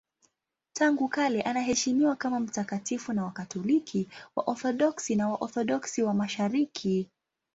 Tangu kale anaheshimiwa kama mtakatifu na Wakatoliki, Waorthodoksi na Waorthodoksi wa Mashariki.